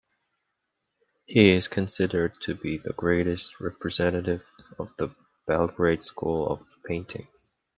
He is considered to be the greatest representative of the Belgrade School of Painting.